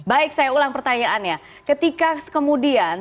baik saya ulang pertanyaannya ketika kemudian